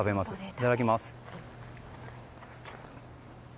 いただきます。